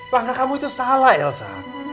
langkah kamu itu salah elsa